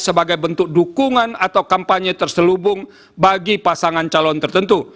sebagai bentuk dukungan atau kampanye terselubung bagi pasangan calon tertentu